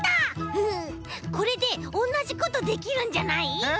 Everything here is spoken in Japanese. フフッこれでおんなじことできるんじゃない？え？